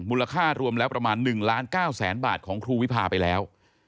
มูลค่ารวมแล้วประมาณ๑ล้าน๙แสนบาทของครูวิพาไปแล้ว